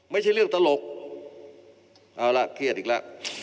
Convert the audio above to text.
ไม่ใช่เรื่องตลกเอาล่ะเครียดอีกแล้ว